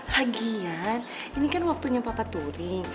hagian ini kan waktunya papa turing